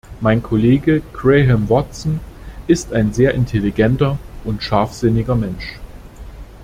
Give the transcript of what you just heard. Mein Kollege Graham Watson ist ein sehr intelligenter und scharfsinniger Mensch.